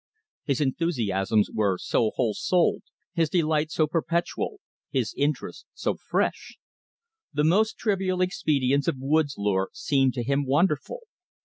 His enthusiasms were so whole souled; his delight so perpetual; his interest so fresh! The most trivial expedients of woods lore seemed to him wonderful.